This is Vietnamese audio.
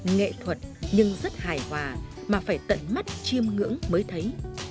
nghệ thuật nhưng rất hài hòa mà phải tận mắt chiêm ngưỡng mới thấy